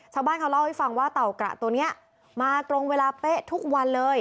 ชาวบ้านเขาเล่าให้ฟังว่าเต่ากระตัวนี้มาตรงเวลาเป๊ะทุกวันเลย